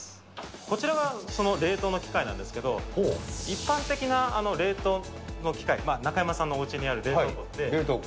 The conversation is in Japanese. こちらが、その冷凍の機械なんですけど、一般的な冷凍の機械、中山さんのおうちにある冷凍庫って。冷凍庫？